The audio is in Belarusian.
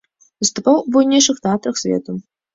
Выступаў у буйнейшых тэатрах свету.